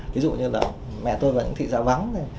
ví dụ như là mẹ tôi và những thị xã vắng